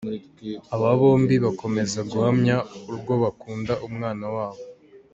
Aba bombi bakomeza guhamya urwo bakunda umwana wabo.